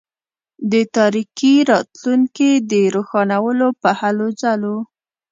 د تاریکي راتلونکي د روښانولو په هلوځلو.